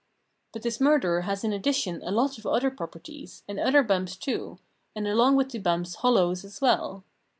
" But this murderer has in addition a lot of other properties, and other bumps too, and along with the bumps hollows as well.